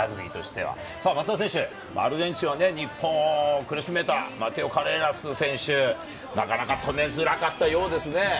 松田選手、アルゼンチンは日本を苦しめたマテオ・カレーラス選手、なかなか止めづらかったようですね。